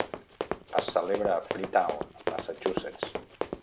Es celebra a Freetown, Massachusetts.